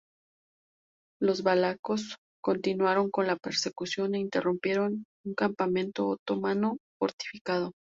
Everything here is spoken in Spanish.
Los valacos continuaron con la persecución e irrumpieron en un campamento otomano fortificado.